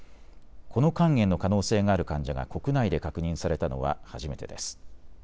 この肝炎の可能性がある患者が国内で確認されたのは初めてです。